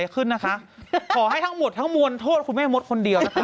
ขอให้ทั้งหมดทุกมวลโทษคุณแม่มดคนเดียวนะคะ